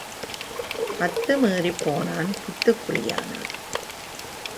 அத்து மீறிப் போனான், பித்துக்குளியானான்.